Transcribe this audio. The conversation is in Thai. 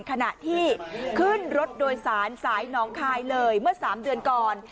ขณะที่ขึ้นรถโดยสารสายหนองคายเลยเมื่อ๓เดือนก่อน